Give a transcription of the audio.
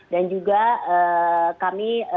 dan juga kami